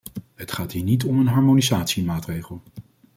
Het gaat hier niet om een harmonisatiemaatregel.